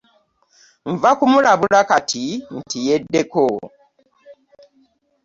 Nva kumulabula kati nti yeddeko.